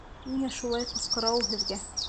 Ниңә шулай ҡысҡыра ул һеҙгә?